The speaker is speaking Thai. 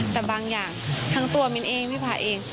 แต่บางอย่างทั้งตัวมิ้นเองไม่ผ่าเอง